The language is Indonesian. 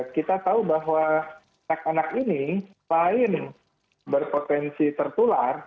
kita tahu bahwa anak anak ini lain berpotensi tertular